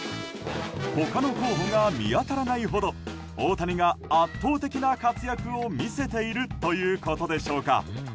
他の候補が見当たらないほど大谷が圧倒的な活躍を見せているということでしょうか。